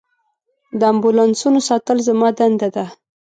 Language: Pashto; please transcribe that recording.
د امبولانسونو ساتل زما دنده ده.